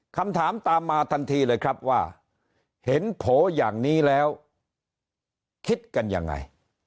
คำถามตามมาทันทีเลยครับว่าเห็นโผล่อย่างนี้แล้วคิดกันยังไง